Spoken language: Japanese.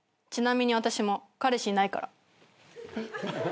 ちなみに私も彼氏いないから。